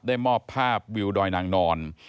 มอบภาพวิวดอยนางนอน